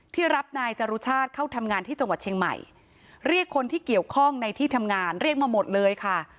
ที่รับนายจรุชาติเข้าทำงานที่จังหวัดเชียงใหม่เรียกคนที่เกี่ยวข้องในที่ทำงานเรียกมาหมดเลยค่ะ